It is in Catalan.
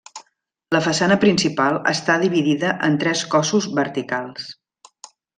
La façana principal està dividida en tres cossos verticals.